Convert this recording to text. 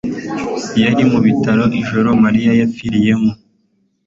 yari mu bitaro ijoro Mariya yapfiriyemo